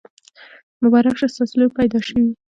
مبارک شه! ستاسو لور پیدا شوي.